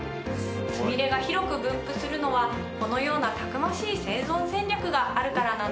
スミレが広く分布するのはこのようなたくましい生存戦略があるからなんですね。